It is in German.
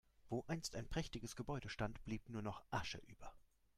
Wo einst ein prächtiges Gebäude stand, blieb nur noch Asche über.